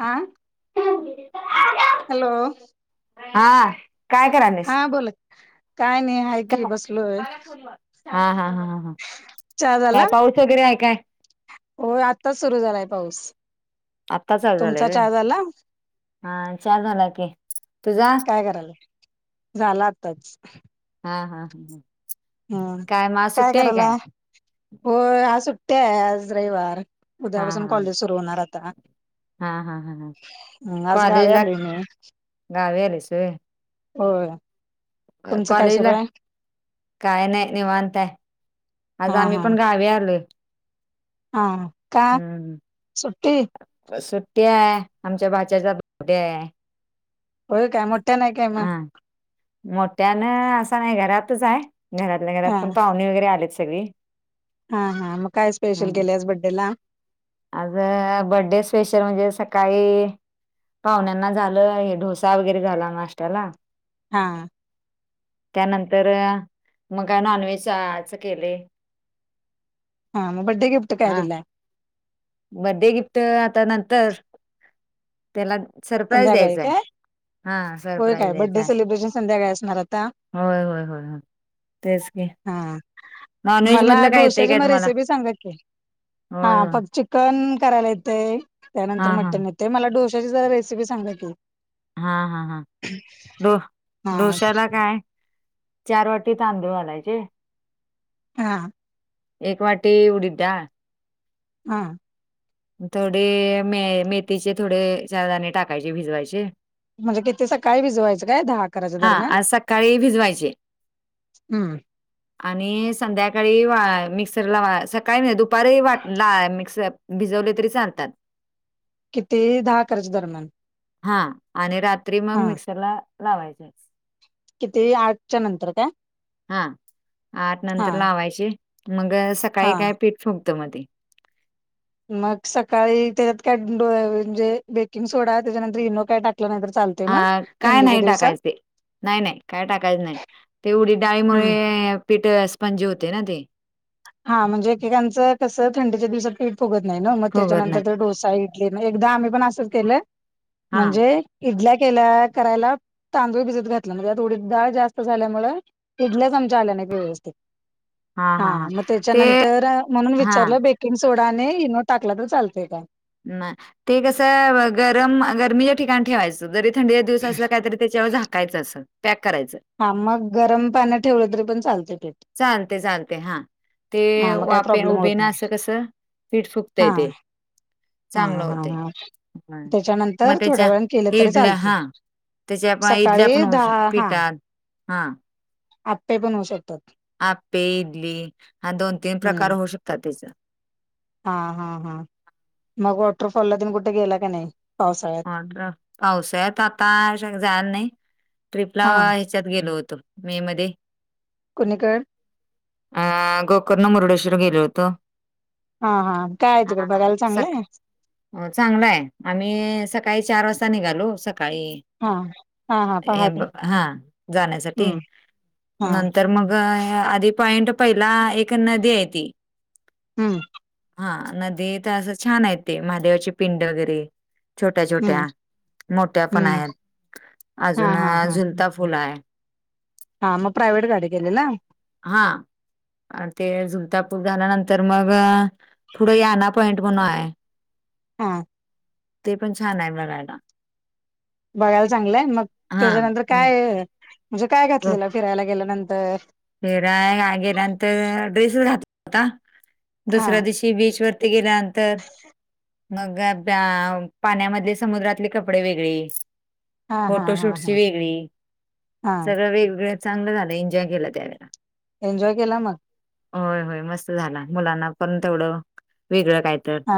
आं [unintelligible] hello! हा, काय करालेस? हा बोला की, काय नाही हाय की बसलोय. हा हा हा ह हा, चहा झाला काय पाऊस वगैरे आहे काय? होय, आत्ताच सुरू झालाय पाऊस, आत्ता चालू झालाय तुमचा व्हय चहा झाला? हा, चहा झाला की. तुझा काय करायले? झालं आताच. हा हा हा. हम्, काय करायलाय? होय, आज सुट्टी आहे आज रविवार, हा उद्यापासून हा कॉलेज सुरू होणार आता. हा हा हा हा, आज गावी कॉलेजला, आलोय मी गावी आलीस होय? होय. तुमचं काय सुरू कॉलेजला, आहे काय नाही निवांत हाय. आज हा आम्ही हा पण गावी आलोय. हा का? हम्म सुट्टी सुट्टी आहे. आमच्या भाच्याचा [unintelligible] आहे. होय काय, मोठ्या नाही काय मग? मोठ्यान असं नाही, घरातच आहे घरातल्या घरात हा पण पाहुणे वगैरे आलेच सगळी हा हा, मग काय स्पेशल हम्म केलय आज बड्डे ला? आज अ बड्डे स्पेशल म्हणजे, सकाळी पाहुण्यांना झालं, हे डोसा वगैरे झाला नाष्ट्याला. हा त्यानंतर अ, मग का नॉनव्हेज च केलय. [inaudible] हा, मग बड्डे गिफ्ट काय हा दिलंय? बड्डे गिफ्ट आता नंतर, त्याला सरप्राईज संध्याकाळी द्यायच आहे. काय हा होय सरप्राईज काय बड्डे द्यायचाय, सेलिब्रेशन संध्याकाळी असणार आता होय होय होय होय. तेच की. हा नॉनव्हेज मला मधलं काय येतंय डोश्याची काय म तुम्हाला रेसिपी सांगा की, होय होय फक ची कन करायला येते, त्यानंतर हा हा मटन येते मला डोश्याची जरा रेसिपी सांगा की. हा हा हा, डो हा डोशाला काय चार वाटी तांदूळ घालायचे. हा. एक वाटी उडीद डाळ हा. थोडे मे मेथीचे थोडे चार दाने टाकायचे, भिजवायचे. म्हणजे किती सकाळी भिजवायचं काय, दहा अकराच्या हा दरम्यान आज सकाळी भिजवायचे. हम्म आणि संध्याकाळी वा मिक्सरला वा सकाळी नाय दुपारी वाटला मिक्स भिजवले तरी चालतात. किती दहा अकराच्या दरम्यान हा, आणि रात्री मग हा मिक्सरला लावायचे. किती आठच्या नंतर का? हा आठ नंतर लावायचे मग हा सकाळी काय पीठ फुकत मध्ये- मग सकाळी त्याच्यात काय म्हणजे बेकिंग सोडा त्याच्यानंतर इनो काय टाकला नाहीर चालत. अ काय नाही टाकायचे. नाही नाही काय टाकायचं नाही तेवढी हम्म डाळीमुळे पीठपणजे होते ना ते- हा म्हणजे एकेकांचं कसं थंडीच्या दिवसाते- फगत नाही ना मग फुगत नाही त्याच्यानंतर तर डोसा इडली एकदा आम्ही पण असंच केलं हा म्हणजे- इडल्या केल्या करायला तांदूळ भिजत घातला म्हणजे आतवडी डाळ जास्त झाल्यामुळे- पिडल्याच आमच्या आल्या नाही व्यवस्थित हा हा हा ते त्याच्यानंतर म्हणून हा विचारलं बेकिंग सोडा न इनो टाकला तर चालतय का म ते कसं गरम गरमीच्या ठिकाणी ठेवायचं. जरी थंडी दिवस असला काय तरी त्याच्यावर झाकायचं असं पॅक करायचं. हा मग गरम पान ठेवलं तरी पण चालते पेठ चालते चालते हा ते मग काय वापे प्रॉब्लेम होत उभे ना नाही असं कसं फिट हा फुकतंय ते हा चांगलं हा होते हा मग त्याच्यानंतर थोड्या त्याच्या वेळानं केलं तरी इडल्या चालतंय हा त्याच्या आपण इडल्या सकाळी पणऊ दहा पिटात हा आपे पण होऊ शकतात आपे इडली हा दोन तीन प्रकार हम्म होऊ शकतात त्याचा हा हा हा मग वॉटरफॉलला तन कुठे गेला का नाही पावसाळ्यात? हा का पावसाळ्यात आता जाला नाही ट्र्रीपला हा त गेलो होतो मे मध्ये कुणीकड अ गोकर्ण मुरडेश्वर गेलो होतो हा हां काय तिकडं बगायला चांगलंय हो चांगला हाय आम्ही सकाळी चार वाजता निघालो सकाळी हा हा हा पहाटे हा जाण्यासाठी हम्म हा नंतर तर मग आधी पॉईंट पहिला एक नदी आहे ती हम्म हा नदी तर असं छान आहे ते महादेवाचे पिंड वगैरे छोट्या छोट्या हम्म मोठ्या पण हम्म आहेत हा अजून हा हा झुलता फुल आहे हा मग प्रायव्हेट गाडी गेलेला हा ते झुलतापूर झाल्यानंतर मग थोडं याना पॉइंट म्हणून हाय हा ते पण छान आहे बगायला बघायला चांगलंय मग हां, त्याच्यानंतर हं. काय म्हणजे काय घातलेलं फिरायला गेल्यानंतर फिराय गेल्यानंत ड्रेस घातला होता हा दुसऱ्या दिवशी शी बीच वरती गेल्यानंतर मग पाण्यामधले समुद्रातले कपडे वेगळे हा हा हा फोटोशूटची हा वेगळी हा सगळं वेगवेगळ चांगलं झालं एन्जॉय केल्या कॅना एन्जॉय केला मग होय होय मस्त झाला मुलांना पण तेवढं वेगळं काय तर हा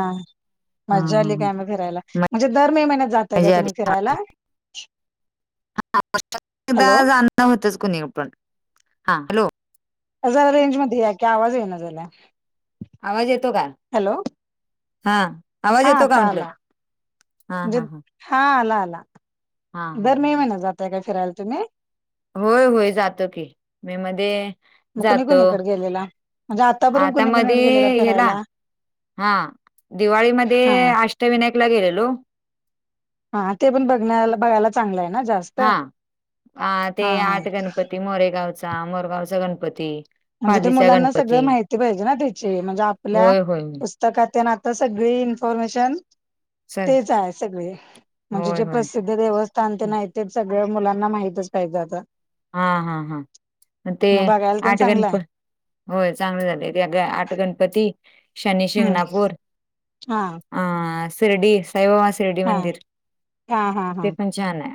हं मज्जा आली हं हं. काय मं फिरायला म्हणजे दर मे महिन्यात जातय का मजा आली. तुम्ही फिरायला दा हॅलो जाणणं होतंच कुणी पण हा हॅलो जरा रेंज मध्ये या की आवाज ये ना झालाय आवाज येतो का हॅलो हा आवाज हा येतो का आता म्हंटलं आला. हा म्हणजे हा हा हा आला आला हा हा. दर हा. मे महिन्यात जातय का फिरायला तुम्ही? होय होय जातो की मेमध्ये मग कुणी जातो कुणीकडे गेलेला म्हणजे आतापर्यंत आता कुणी मध्ये कुणीकडे गेलेला हेला. फिरायला हा दिवाळीमध्ये हा अष्टविनायकला गेलेलो. हा ते पण बघण्या बघायला चांगलं आहे ना जास्त हा ते हा हा आठ गणपती मोरेगावचा मोरगावचा गणपती म्हणजे ते पालीचा मुलांना सगळ गणपती माहिती पाहिजे ना त्याची म्हणजे आपल्या होय होय काात तेन आता सगळी इन्फॉर्मेशन सर तेच आहे सगळे म्हणजे होय जे होय प्रसिद्ध देवस्थान ते नाही ते सगळ मुलांना माहितच काही जे आता हा हा हा ते मग बघायला ते चांगलं आठगणप. आहे होय चांगले झाले त्या ग आठ गणपती शनी शिंगणापूर हां. अ शिर्डी साईबाबा शिर्डी हा मंदिर ते पण छानय.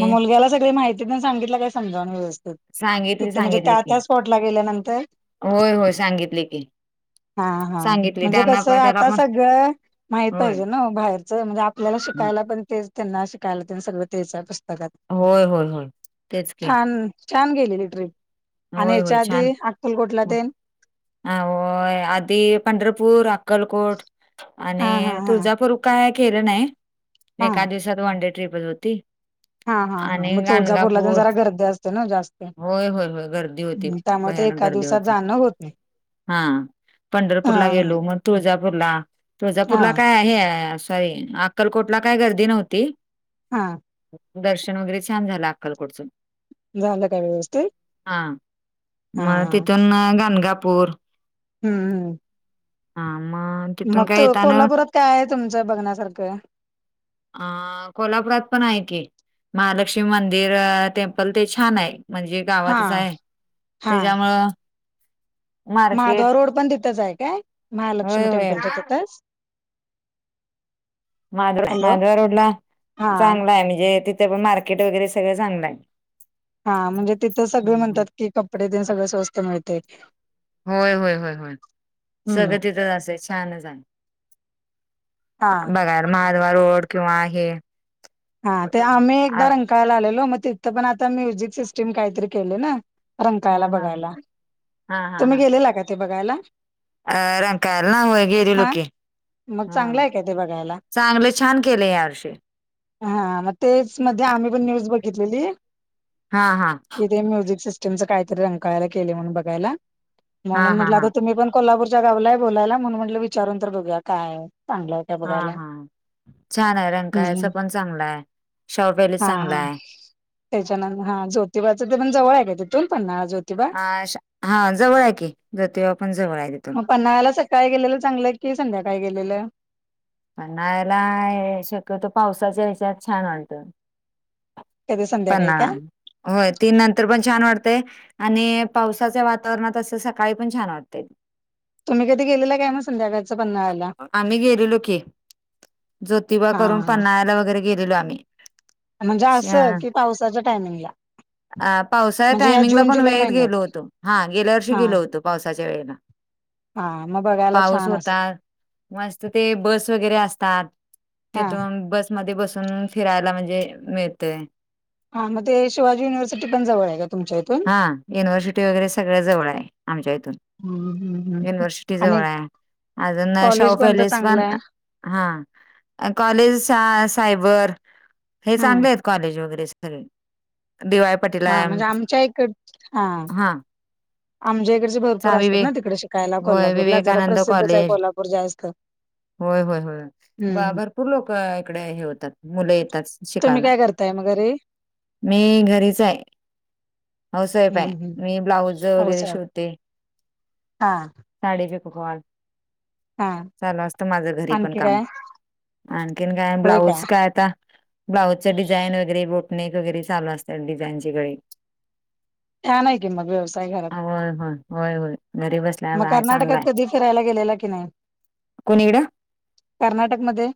म मुलग्याला सगळी माहिती तेन सांगितला काय समजावन व्यस्थ. सांगितली तिथं म्हणजे सांगितली त्या की त्या स्पॉटला गेल्यानंतर होय होय सांगितले की हा हा सांगितले म्हणजे त्यांना कसं पण त्याला आता पण सगळं माहित होय पाहिजे न बाहेरच म्हणजे आपल्याला शिकायला पण ते त्यांना शिकायला त्यां सगळं तेच्या पुस्तकात होय होय होय तेच के. छान छान गेलेली ट्रीप आणि होय होय याच्या आधी अककुलकोटला देईन. ह आधी पंढरपूर अक्कलकोट हा आणि हा हा तुळजापूर काय केलं नाही हा एका दिवसात वन डे ट्र्रीपच होती. हा हा हा आणि मग तुळजापूरला तेन गणगापूर जरा गर्दी असते ना जास्त. होय होय होय. गर्दी होती त्यामुळे ते भयानक एका गर्दी दिवसात होती. जाणं होत नाही. हा पंढरपूरला हा गेलो मग तुळजापूरला तुळजापूरला हा काय? हे सॉरी अक्कलकोटला काय गर्दी नव्हती. हा. दर्शन वगैरे छान झालं अक्कलकडचून जालं काय व्यवस्े हा मग तिथून गणगापूर हम्म. हम्म. ह म. मग त कोल्हापुरात काय आहे तुमचं बघण्यासारखं. अ कोल्हापुरात पण आहे की महालक्ष्मी मंदिर टेम्पल ते छान आहे म्हणजे का? हा आहे त्याच्यामुळं. माहाधवा मार्केट रोड पण तिथंच आहे काय होय महालक्ष्मी होय टेम्पलच्या तिथंच. माध हॅलो माधवा रोड ला हा चांगला आहे म्हणजे तिथे पण मार्केट वगैरे सगळं चांगलं आहे. हा म्हणजे तिथं सगळे म्हणतात की कपडे ते सगळ स्वस्त मिळते. होय होय होय होय सगळं तिथच असे छानच आहे. हा बघा महादवा रोड किंवा आहे. हा ते आम्ही एकदा रंकायला आलेलो मग तिथं पण आता म्युझिक सिस्टीम काहीतरी केले ना. रंगकायला हा हा बघायला हा हा हा हा तुम्ही गेलेला का ते बघायला अ रँकायला नाय गेरी हा लोक मग चांगलं हम. आहे काय ते बघायला चांगले छान केले या आर्ष हा मग तेच मध्ये आम्ही पण न्यूज बघितलेली हा हा कि ते म्युझिक सि तुमच काहीतरी रकयला म्हणून बघायला हा म्हणून हा म्हट हा आता तुम्ण कोल्हापूरच्या गावला आहे बोलायला म्हणून म्हंटलं विचारून तर बघया काय चांगलंय. हा हा छान आहे रँंकायच हम्म पण चांगलं आहे. शाहू पॅलेस हा चांगला हा आहे. त्याच्यानर हा ज्योतिबाचं ते पण जवळ आहे काय तिथून पण ना ज्योतिबा अ हा जवळ आहे की जत पण जवळ आहे तथो मग पन्नावा्याला सकाळी गेलेलं चांगलं की संध्याकाळी गेलेलं पणणायला शक्यत पावसाच्या हचयात छान वाटत कधी संध्याकाळी पण्ना काय होय तीन नंतर पण छान वाटतेंय आणि पावसाच्या वातावरणात असं सकाळी पण छान वाटते तुम्ही कधी गेलेला काय मग संध्याकाळचं पन्नाळा्याला आम्ही गेलेलो की. ज्योतिबा करून पन््हाला वगैरे गेलेलो आम्ही म्हणजे असं कि पावसाच्या टायमिंगला अ पावसाच्या म्हणजे या टायमिंगला जून पण जुलै वेळेत गेलो महिन्यात होतो हा गेल्या वर्षी हा गेलो होतो पावसाच्या वेळेला हा मग बघायला पाऊस छान असेल होता मस्त ते बस वगैरे असतात हा तेथून बस मध्ये बसून फिरायला म्हणजे मिळतय हा मग ते शिवाजी युनिव्हर्सिटी पण जवळ आहे का तुमच्या इथून हा युनिव्हर्सिटी वगैरे सगळ्या जवळ आहे आमच्या इथून हम्म हम्म हम्म युनिव्हर्सिटी आणि जवळ अजून शाह कॉलेज कोणतं पॅलेस चांगलं वन आहे हा कॉलेज सायबर हे हम्म चांगले आहेत कॉलेज वगैरे ख दिवाळी हा म्हणजे आमच्या इकड हा आमच्या इडचे भरपूर चा असतात विवेक ना तिकडे शिकायला होय कोल्हापूरला जरा विवेकानंद प्रसिद्धच आहे कॉलेज कोल्हापूर र जायज का होय होय होय भरपूर लोक इकडे हे होतात मुलं येतात तुम्ही शिकायला काय करताय मग घरी मी घरीच आहे होसय पाय हम्म हम्म मी ब्लाऊज वगैरे हौसा शिवते हा साडी विकवाल हा माझं घरी पण आणखी काम काय आणखीन काय ब्लाऊज काय आता ब्लाऊज डिझाईन वगैरे बोटनेक वगैरे चालू असतात डिझाईनचीकडे छान आहे की मग व्यवसाय घरात होय होय होय होय घरी बसल्या आहे चांगलाय करायला गेलेला कि नाही कोणीड कर्नाटकमध्येध्ये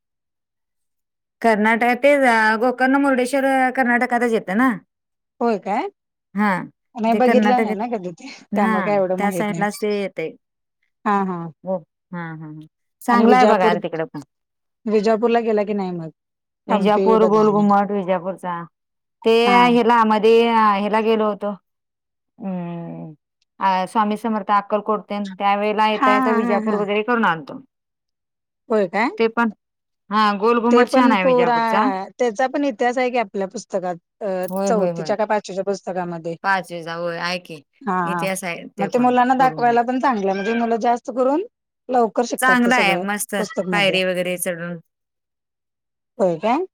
कर्नाटकात तेच गोकर्ण मुर्डेश्वर कर्नाटकातच येतं ना होय का हा नाही ते बघितलं आहे कर्नाटकात ना कधी ते हा त्यामु काय एवढं त्या माहीत नाही साईडलाच ते हा हा हम् हम ह आणि चांगला आहे बघा विजापूर तिकडे पण विजापूरला गेला की नाही मग हंपी विजापूर बदामी गोलघुमट विजापूरचा ते हा हिला मध्ये ह्याला गेलो होत स्वामी समर्थ अक्कलकोट तेन हा ये य हा हा विजापूर वगैरे करून आल्तो बय काय ण हा गोल घुम प प त्याचा पण इतिहास आहे क आपल्या पुस्तकात होय होय होय चौथीच्या का च्या पुस्तकामध्ये पाच व हो ऐके हा मग ते मुलांना दाखवायला पण चांगलं म्हणजे मुलं जास्त करून लवकर शिकतात ते चांगला आहे सगळ मस्त पुस्तकमध्ये पायरी वगैरे चढून होय काय